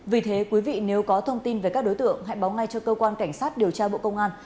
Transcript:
vì thế quý vị nếu có thông tin về các đối tượng hãy báo ngay cho cơ quan cảnh sát điều tra bộ công an